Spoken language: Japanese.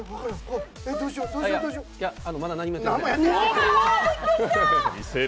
まだ何もやってない。